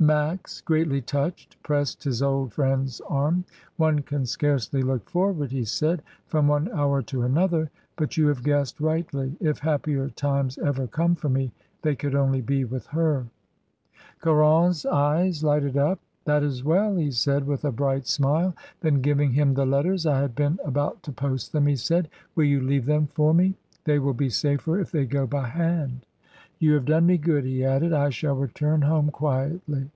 Max, greatly touched, pressed his old friend's arm. "One can scarcely look forward," he said, "from one hour to another, but you have guessed rightly; if happier times ever come for me, they could only be with her." Caron's eyes lighted up. "That is well," he said with a bright smile. Then, giving him the letters, "I had been about to post them," he said. "Will you leave them for me? They will be safer if they go by hand. You have CARON. 275 done me good," he added. "I shall return home quietly."